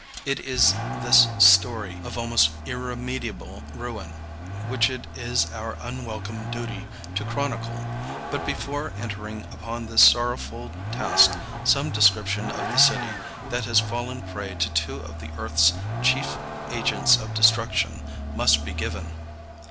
It is this story of almost irremediable ruin which it is our unwelcome duty to chronicle. But before entering upon this sorrowful task some description of the city that has fallen a prey to two of the earth's chief agents of destruction must be given.